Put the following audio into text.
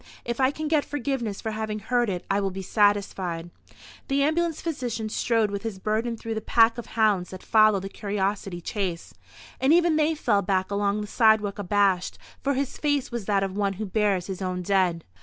"If I can get forgiveness for having heard it I will be satisfied." The ambulance physician strode with his burden through the pack of hounds that follow the curiosity chase, and even they fell back along the sidewalk abashed, for his face was that of one who bears his own dead.